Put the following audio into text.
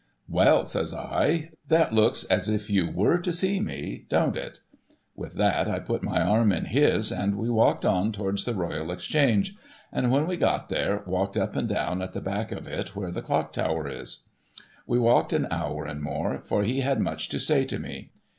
' ^Vell !' says I. ' 'Phat looks as if you were to see me, don't it ?' ^\'ith that I put my arm in his, and we walked on towards the Royal Exchange, and when we got there, walked up and down at the back of it where the Clock Tower is. We walked an hour and more, for he had much to say to me.